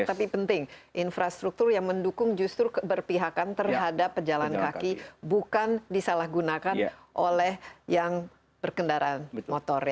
tapi penting infrastruktur yang mendukung justru keberpihakan terhadap pejalan kaki bukan disalahgunakan oleh yang berkendaraan motor ya